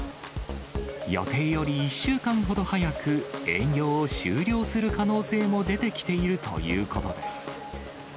予定より１週間ほど早く、営業を終了する可能性も出てきているということです。